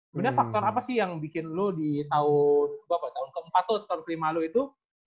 sebenernya faktor apa sih yang bikin lu di tahun ke empat atau ke lima lu itu